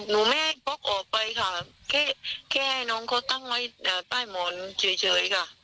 ลูกแม่ก็แค่ปวกได้ออกไปเพื่อใช้ไว้ให้น้องเขาตั้งไว้ใต้หมอนเจย